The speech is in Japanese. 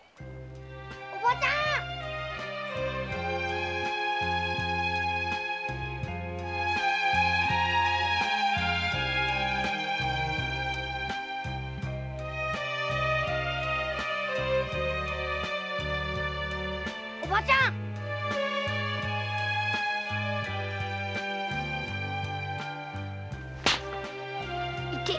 おばちゃんおばちゃん痛ぇ。